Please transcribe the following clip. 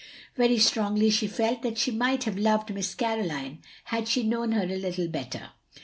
Very strongly she felt that she might have loved Miss Caroline had she known her a little better.